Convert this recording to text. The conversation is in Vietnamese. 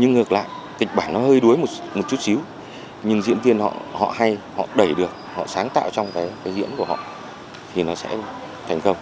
nhưng ngược lại kịch bản nó hơi đuối một chút xíu nhưng diễn viên họ hay họ đẩy được họ sáng tạo trong cái diễn của họ thì nó sẽ thành công